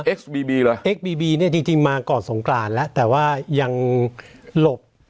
บีบีเลยเอ็กบีบีเนี่ยจริงจริงมาก่อนสงกรานแล้วแต่ว่ายังหลบ